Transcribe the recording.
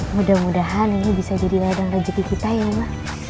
mudah mudahan ini bisa jadi ladang rezeki kita ya mak